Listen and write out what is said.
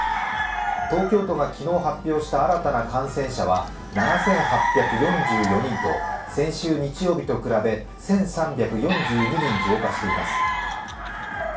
東京都が昨日発表した新たな感染者は７８４４人と、先週日曜日と比べ１３４２人増加しています。